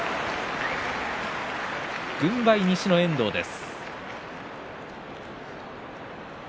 軍配、西の遠藤です。